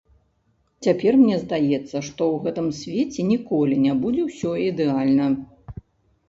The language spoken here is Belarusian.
Цяпер мне здаецца, што ў гэтым свеце ніколі не будзе ўсё ідэальна.